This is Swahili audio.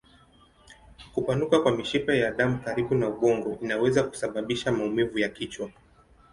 Kupanuka kwa mishipa ya damu karibu na ubongo inaweza kusababisha maumivu ya kichwa.